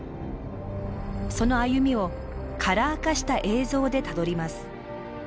その歩みをカラー化した映像でたどります。